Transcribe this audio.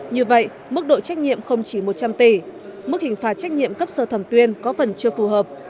như vậy mức độ trách nhiệm không chỉ một trăm linh tỷ mức hình phạt trách nhiệm cấp sơ thẩm tuyên có phần chưa phù hợp